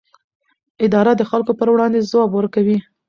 اداره د خلکو پر وړاندې ځواب ورکوي.